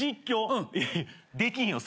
できんよ